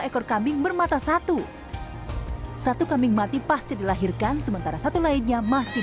ekor kambing bermata satu satu kambing mati pasti dilahirkan sementara satu lainnya masih